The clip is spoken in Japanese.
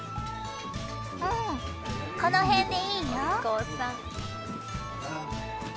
うんこのへんでいいよ。